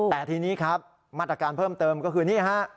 แต่ทีนี้ครับมาตรการเพิ่มเติมก็คือนี่ฮะ